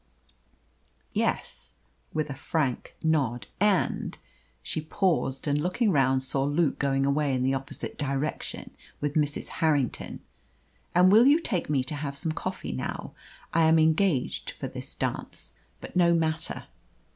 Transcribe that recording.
"Yes," with a frank nod. "And" she paused, and looking round saw Luke going away in the opposite direction with Mrs. Harrington "and will you take me to have some coffee now? I am engaged for this dance, but no matter."